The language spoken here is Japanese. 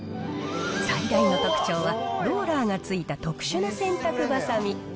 最大の特徴は、ローラーがついた特殊な洗濯ばさみ。